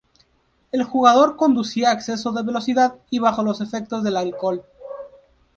El jugador conducía a exceso de velocidad y bajo los efectos del alcohol.